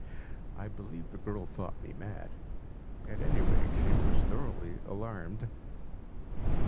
I believe the girl thought me mad; at any rate she was thoroughly alarmed.